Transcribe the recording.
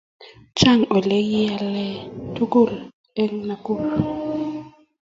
Chang ele kiyaklen tukul en Nakuru